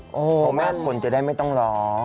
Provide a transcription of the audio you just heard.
เพราะแม่ควรจะได้ไม่ต้องล้อ